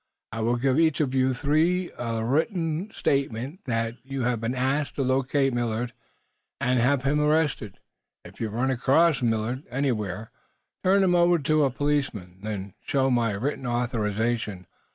I will give each of you three a written statement that you have been asked to locate Millard and have him arrested. If you run across Millard anywhere, turn him over to a policeman, then show my written authorization.